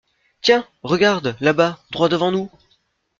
Tiens, regarde, là-bas, droit devant nous!